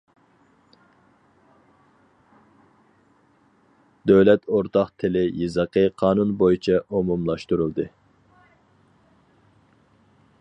دۆلەت ئورتاق تىل- يېزىقى قانۇن بويىچە ئومۇملاشتۇرۇلدى.